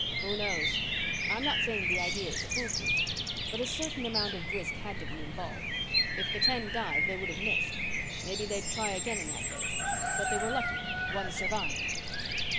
"Who knows? I'm not saying the idea is foolproof. But a certain amount of risk had to be involved. If the ten died, they would have missed. Maybe they'd try again in that case. But they were lucky one survived."